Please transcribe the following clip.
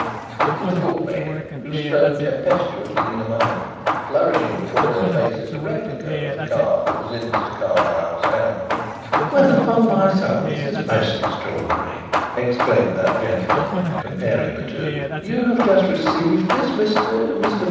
It was the bookmaker who strode tempestuously in among them, flourishing before their faces a replica of the card that was in Mr. Carlyle's hand. "Well, upon my soul this is most extraordinary," exclaimed that gentleman, comparing the two. "You have just received this, Mr. Mr.